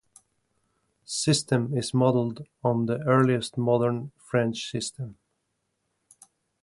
System is modelled on the earliest modern French system.